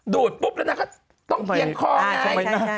ดูดปแล้วนางก็คือต้องเฮียคอว์หน้า